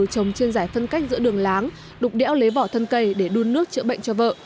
trồng trên giải phân cách giữa đường láng đục đẽo lấy vỏ thân cây để đun nước chữa bệnh cho vợ